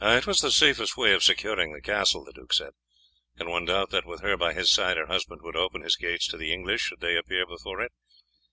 "It was the safest way of securing the castle," the duke said. "Can one doubt that, with her by his side, her husband would open his gates to the English, should they appear before it?